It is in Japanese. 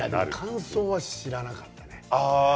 乾燥は知らなかったね